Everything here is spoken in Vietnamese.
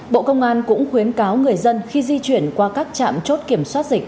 bộ công an cũng khuyến cáo người dân khi di chuyển qua các trạm chốt kiểm soát dịch